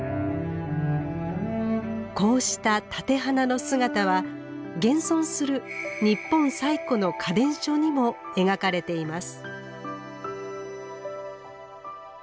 こうした立て花の姿は現存する日本最古の花伝書にも描かれています。